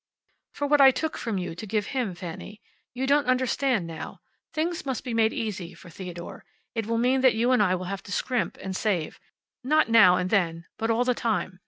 "For what I took from you to give to him, Fanny. You don't understand now. Things must be made easy for Theodore. It will mean that you and I will have to scrimp and save. Not now and then, but all the time.